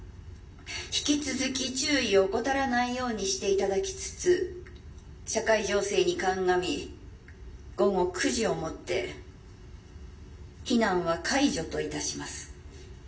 引き続き注意を怠らないようにしていただきつつ社会情勢に鑑み午後９時をもって避難は解除といたします」。